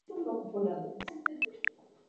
Entre cada dos fracturas se hacía una galería.